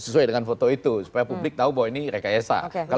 sesuai dengan foto itu supaya publik tahu bahwa ini rekayasa